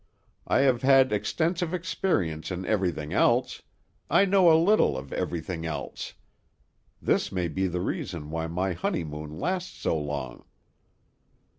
I have had extensive experience in everything else; I know a little of everything else. This may be the reason why my honeymoon lasts so long."